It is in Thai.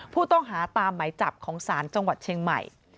ผู้ต้องหาตามหมายจับของศาลจังหวัดเชียงใหม่